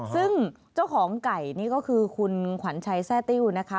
ซึ่งเจ้าของไก่นี่ก็คือคุณขวัญชัยแทร่ติ้วนะคะ